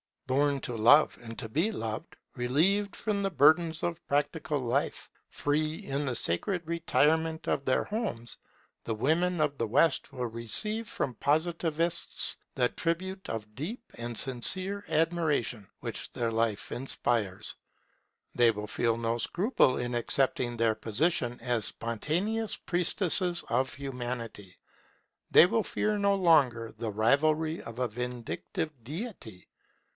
Born to love and to be loved, relieved from the burdens of practical life, free in the sacred retirement of their homes, the women of the West will receive from Positivists the tribute of deep and sincere admiration which their life inspires. They will feel no scruple in accepting their position as spontaneous priestesses of Humanity; they will fear no longer the rivalry of a vindictive Deity.